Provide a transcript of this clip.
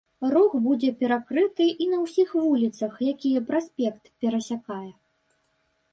Рух будзе перакрыты і на ўсіх вуліцах, якія праспект перасякае.